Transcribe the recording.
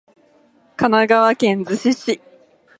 神奈川県逗子市